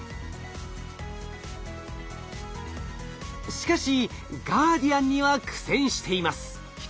しかしガーディアンには苦戦しています。